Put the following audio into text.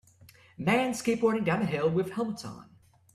Men skateboarding down a hill with helmets on